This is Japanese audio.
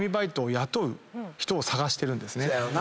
せやろな。